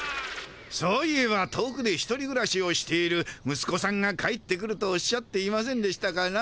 そういえば遠くで１人ぐらしをしているむすこさんが帰ってくるとおっしゃっていませんでしたかな？